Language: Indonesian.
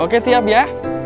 oke siap ya